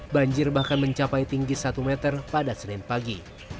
banjir bahkan mencapai tinggi satu meter pada senin pagi